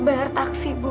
bayar taksi bu